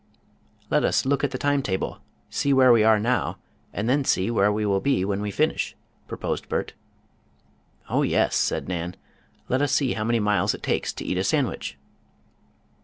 "Let us look at the timetable, see where we are now, and then see where we will be when we finish," proposed Bert. "Oh yes," said Nan, "let us see how many miles it takes to eat a sandwich."